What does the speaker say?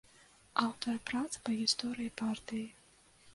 Аўтар прац па гісторыі партыі.